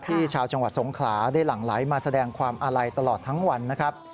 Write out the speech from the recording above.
ชาวจังหวัดสงขลาได้หลั่งไหลมาแสดงความอาลัยตลอดทั้งวันนะครับ